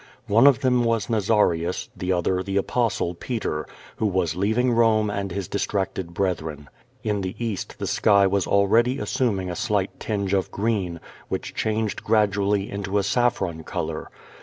One of them was Nazarius, the other the Apostle, Peter, who was leaving Rome and his distracted brethren. In the East the sky was already assuming a slight tinge of green, which changed gradually into a saffron color.